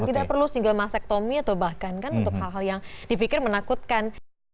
tidak perlu single mas actomy atau bahkan kan untuk hal hal yang dipikir menakutkan